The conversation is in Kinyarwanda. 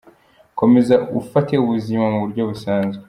Komeza ufate ubuzima mu buryo busanzwe.